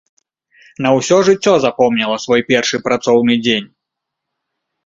На ўсё жыццё запомніла свой першы працоўны дзень.